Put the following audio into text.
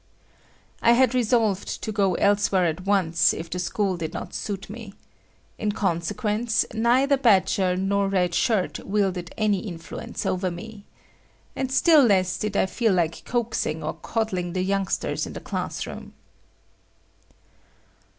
I had resolved to go elsewhere at once if the school did not suit me. In consequence, neither Badger nor Red Shirt wielded any influence over me. And still less did I feel like coaxing or coddling the youngsters in the class room.